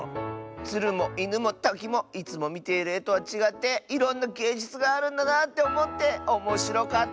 つるもいぬもたきもいつもみているえとはちがっていろんなげいじゅつがあるんだなっておもっておもしろかった！